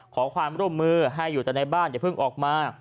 ขอความร่วมมือให้อยู่แต่ในบ้านอย่าเพิ่งออกมา